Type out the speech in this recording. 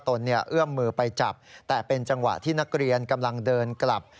เอื้อมมือไปจับแต่เป็นจังหวะที่นักเรียนกำลังเดินกลับ